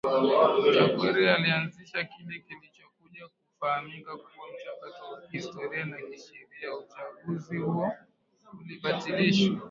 Chakwera alianzisha kile kilichokuja kufahamika kuwa mchakato wa kihistoria wa kisheriaUchaguzi huo ulibatilishwa